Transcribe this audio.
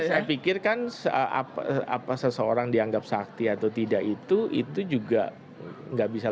tapi saya pikirkan apa seseorang dianggap sakti atau tidak itu juga gak bisa